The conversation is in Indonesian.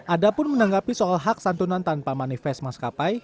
ada pun menanggapi soal hak santunan tanpa manifest maskapai